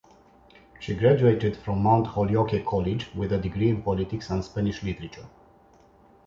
She graduated from Mount Holyoke College with a degree in politics and Spanish literature.